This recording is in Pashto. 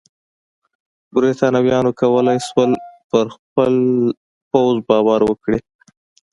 برېټانویانو کولای شول پر خپل پوځ باور وکړي.